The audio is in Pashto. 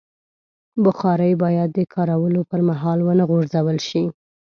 بخاري باید د کارولو پر مهال ونه غورځول شي.